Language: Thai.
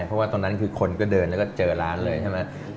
เพราะว่าตอนนั้นคือคนก็เดินแล้วก็เจอร้านเลยใช่ไหม